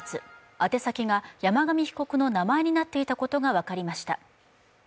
宛先が山上被告の名前になっていたことが分かりました。